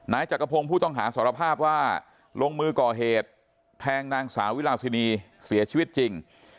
จักรพงศ์ผู้ต้องหาสารภาพว่าลงมือก่อเหตุแทงนางสาวิลาซินีเสียชีวิตจริง